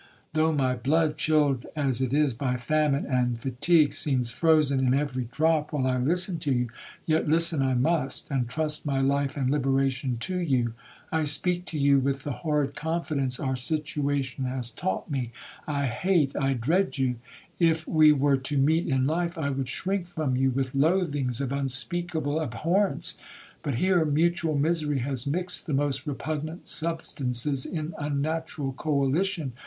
Though my blood, chilled as it is by famine and fatigue, seems frozen in every drop while I listen to you, yet listen I must, and trust my life and liberation to you. I speak to you with the horrid confidence our situation has taught me,—I hate,—I dread you. If we were to meet in life, I would shrink from you with loathings of unspeakable abhorrence, but here mutual misery has mixed the most repugnant substances in unnatural coalition.